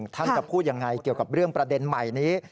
ท่านจะพูดยังไงเกี่ยวกับเรื่องประเด็นใหม่นี้